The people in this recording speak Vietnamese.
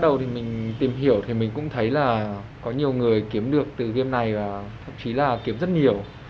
bắt đầu mình tìm hiểu thì mình cũng thấy là có nhiều người kiếm được từ game này và thậm chí là kiếm rất nhiều